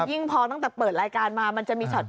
พอตั้งแต่เปิดรายการมามันจะมีช็อต